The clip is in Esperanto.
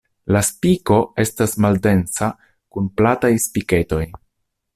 La spiko estas maldensa kun plataj spiketoj.